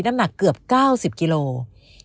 น้ำหนักเกือบ๙๐กิโลกรัม